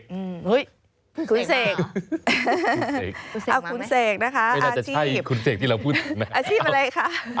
เฮ้ยคุณเศกเอ้าคุณเศกนะคะอาชีพอาชีพอะไรคะ